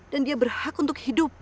dan dia berhak untuk hidup